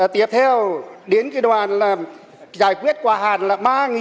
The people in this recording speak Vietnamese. tiếp theo đến cái đoàn là giải quyết quả hạt là ba ba trăm sáu mươi tám